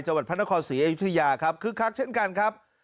จังหวัดพระนครศรีอยุธยาครับคึกคักเช่นกันครับ